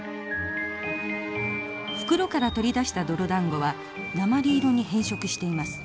袋から取り出した泥だんごは鉛色に変色しています。